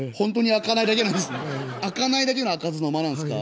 開かないだけの開かずの間なんですか？